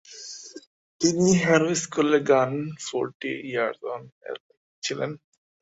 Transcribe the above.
তিনি হ্যারো স্কুলের গান "ফোরটি ইয়ার্স অন" এর লেখক ছিলেন।